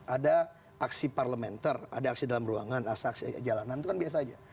ada aksi parlementer ada aksi dalam ruangan ada aksi jalanan itu kan biasa aja